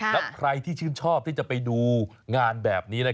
แล้วใครที่ชื่นชอบที่จะไปดูงานแบบนี้